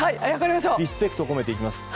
リスペクトを込めていきます。